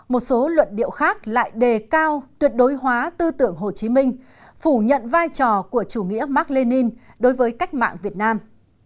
một số luận điệu khác lại đề cao tuyệt đối hóa tư tưởng hồ chí minh phủ nhận vai trò của chủ nghĩa mark lenin đối với cách mạng việt nam